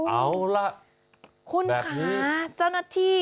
เอาล่ะแบบนี้คุณค่ะเจ้าหน้าที่